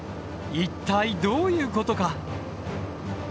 一体どういうことか？